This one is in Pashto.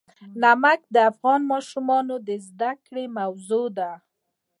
نمک د افغان ماشومانو د زده کړې موضوع ده.